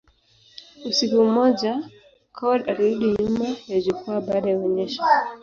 Usiku mmoja, Coward alirudi nyuma ya jukwaa baada ya onyesho.